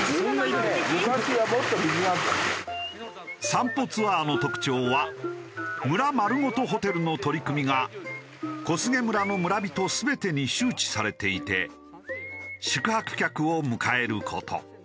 散歩ツアーの特徴は村まるごとホテルの取り組みが小菅村の村人全てに周知されていて宿泊客を迎える事。